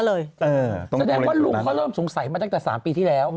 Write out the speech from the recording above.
แสดงว่าลุงเขาเริ่มสงสัยมาตั้งแต่๓ปีที่แล้ว